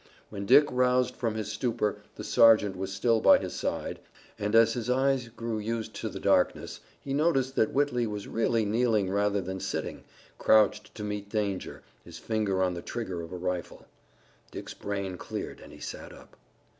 When Dick roused from his stupor the sergeant was still by his side, and, as his eyes grew used to the darkness, he noticed that Whitley was really kneeling rather than sitting, crouched to meet danger, his finger on the trigger of a rifle. Dick's brain cleared and he sat up.